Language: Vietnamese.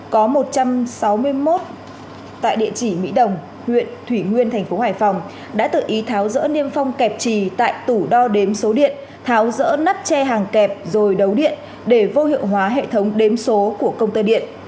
có một trăm sáu mươi một tại địa chỉ mỹ đồng huyện thủy nguyên thành phố hải phòng đã tự ý tháo rỡ niêm phong kẹp trì tại tủ đo đếm số điện tháo rỡ nắp tre hàng kẹp rồi đấu điện để vô hiệu hóa hệ thống đếm số của công tơ điện